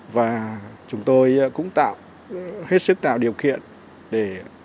và chúng tôi cũng tạo hết sức tạo điều kiện để